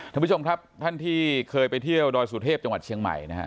ท่านผู้ชมครับท่านที่เคยไปเที่ยวดอยสุเทพจังหวัดเชียงใหม่นะฮะ